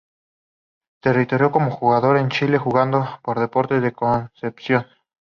Se retiró como jugador en Chile, jugando por Deportes Concepción.